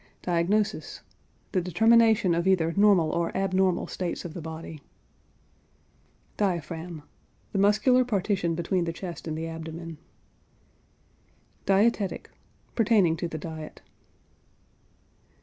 DIAGNOSIS. The determination of either normal or abnormal states of the body. DIAPHRAGM. The muscular partition between the chest and the abdomen. DIETETIC. Pertaining to the diet.